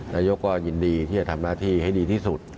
นายกก็ยินดีที่จะทำหน้าที่ให้ดีที่สุด